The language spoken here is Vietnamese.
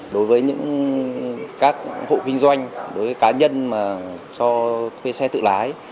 đối với những các hộ kinh doanh đối với cá nhân mà cho thuê xe tự lái